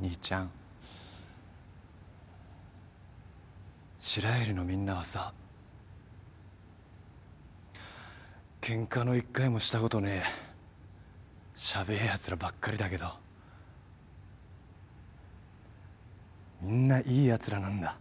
兄ちゃん白百合のみんなはさケンカの１回もしたことねえシャベえやつらばっかりだけどみんないいやつらなんだ。